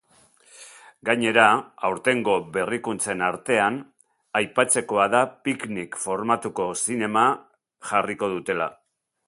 Gainera, aurtengo berrikuntzen artean, aipatzekoa da picnic formatuko zinema jarriko dutela.